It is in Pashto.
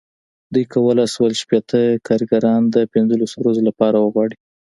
دوی کولای شول شپېته کارګران د پنځلسو ورځو لپاره وغواړي.